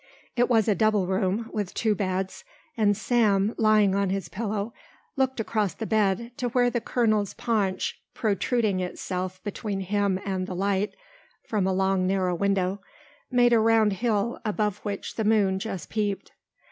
It was a double room with two beds, and Sam, lying on his pillow, looked across the bed to where the colonel's paunch protruding itself between him and the light from a long narrow window, made a round hill above which the moon just peeped.